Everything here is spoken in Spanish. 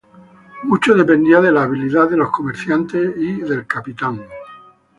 Mucho dependía de la habilidad de los comerciantes y del capitán.